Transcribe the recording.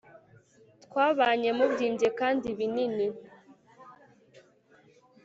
twabanye mubyimbye kandi binini